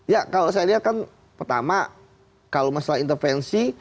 ya kalau saya lihat kan pertama kalau masalah intervensi